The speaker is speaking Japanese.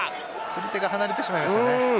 釣り手が離れてしまいました。